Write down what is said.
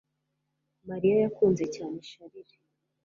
Mariya yakunze cyane Charles